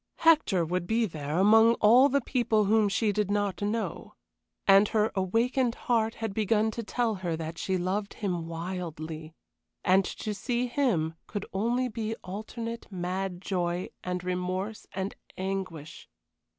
Hector would be there, among all these people whom she did not know. And her awakened heart had begun to tell her that she loved him wildly, and to see him could only be alternate mad joy and remorse and anguish.